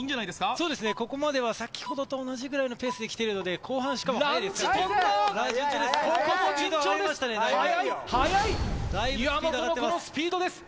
そうですね、ここまでは先ほどと同じぐらいのペースできてるので、後半、しかも速いですね。